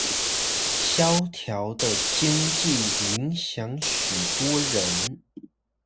蕭條的經濟影響許多人